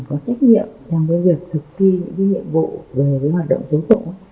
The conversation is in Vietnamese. có trách nhiệm trong cái việc thực thi những cái nhiệm vụ về cái hoạt động tố tộ